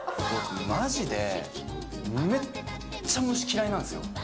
まじでめっちゃ虫嫌いなんですよ。